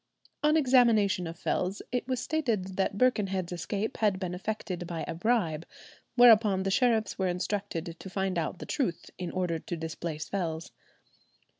On examination of Fells, it was stated that Birkenhead's escape had been effected by a bribe, whereupon the sheriffs were instructed to find out the truth in order to displace Fells.